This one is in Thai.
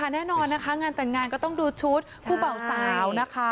แน่นอนงานแต่งงานก็ต้องดูชุดผู้เป่าสาว